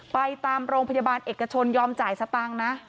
ไปตามโรงพยาบาลเอกชนยอมจ่ายสตางค์นะ